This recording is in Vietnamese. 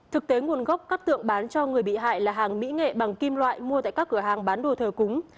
thực tế nguồn gốc các tượng bán cho người bị hại là hàng mỹ nghệ bằng kim loại mua tại các cửa hàng bán đồ thờ cúng